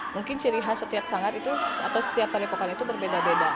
mungkin ciri khas setiap sanggar itu atau setiap padepokan itu berbeda beda